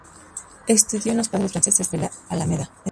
Estudió en los Padres Franceses de la Alameda.